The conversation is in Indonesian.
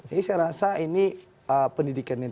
ini saya rasa ini pendidikan ini